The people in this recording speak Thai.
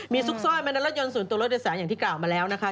มีซุกซ่อยแม่นอนรถยนต์สูตรรถแสงอย่างที่กล่าวมาแล้วนะคะ